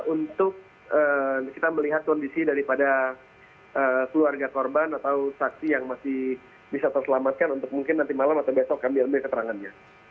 untuk kita melihat kondisi daripada keluarga korban atau saksi yang masih bisa terselamatkan untuk mungkin nanti malam atau besok kami ambil keterangannya